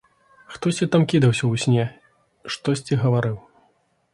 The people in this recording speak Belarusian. Хтосьці там кідаўся ў сне, штосьці гаварыў.